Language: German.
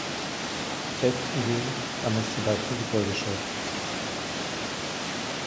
Selbst in Wien kam es zu leichten Gebäudeschäden.